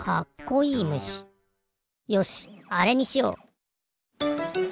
よしあれにしよう。